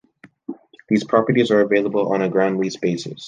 These properties are available on a ground lease basis.